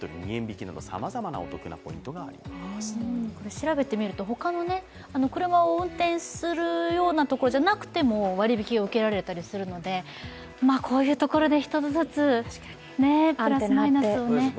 調べてみると、他の車を運転するようなところじゃなくても割引きが受けられたりするのでこういうところで一つ一つプラスマイナスをね。